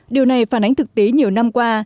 điều này phản ánh thực tế nhiều năm qua